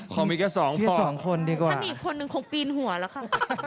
ขอมีแค่สองคนถ้ามีอีกคนหนึ่งคงปีนหัวแล้วค่ะ